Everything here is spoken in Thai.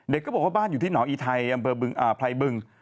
เด็กก็บอกว่าบ้านอยู่ที่หนออีไทยไพรบึง